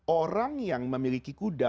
orang yang memiliki kuda